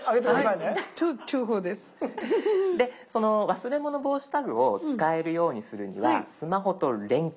忘れ物防止タグを使えるようにするにはスマホと連携。